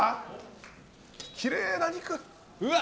きれいな肉！